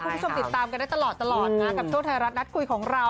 คุณผู้ชมติดตามกันได้ตลอดนะกับช่วงไทยรัฐนัดคุยของเรา